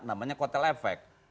namanya kuatel efek